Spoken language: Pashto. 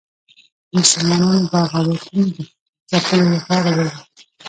د مسلمانانو بغاوتونو د ځپلو لپاره به وي.